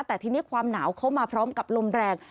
แต่ทีนี้ความหนาวเข้ามาพร้อมกับลมแรง